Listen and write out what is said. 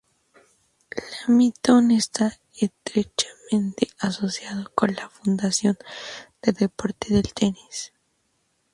Leamington está estrechamente asociado con la fundación del deporte del tenis.